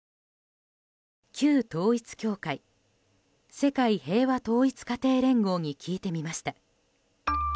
旧統一教会・世界平和統一家庭連合に聞いてみました。